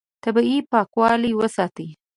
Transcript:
طبیعي پاکوالی وساتئ.